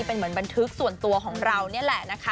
เป็นเหมือนบันทึกส่วนตัวของเรานี่แหละนะคะ